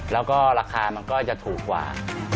แล้วก็ราคามันก็จะถูกกว่า